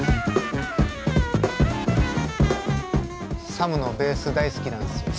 Ｓａｍのベース大好きなんですよ。